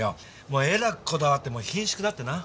もうえらくこだわってヒンシュクだってな。